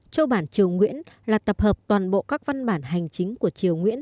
châu bản triều nguyễn là tập hợp toàn bộ các văn bản hành chính của triều nguyễn